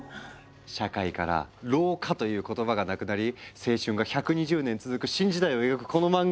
社会から老化という言葉がなくなり青春が１２０年続く新時代を描くこの漫画！